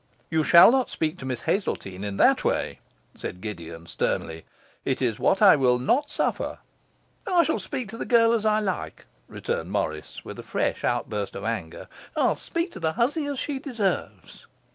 'You shall not speak to Miss Hazeltine in that way,' said Gideon sternly. 'It is what I will not suffer.' 'I shall speak to the girl as I like,' returned Morris, with a fresh outburst of anger. 'I'll speak to the hussy as she deserves.